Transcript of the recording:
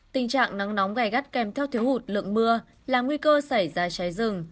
tình trạng nắng nóng gai gắt kèm theo thiếu hụt lượng mưa là nguy cơ xảy ra cháy rừng